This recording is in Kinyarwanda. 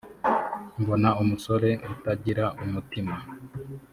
mbona umusore utagira umutima